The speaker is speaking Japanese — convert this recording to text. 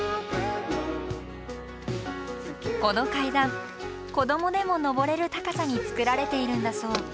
この階段子どもでも登れる高さにつくられているんだそう。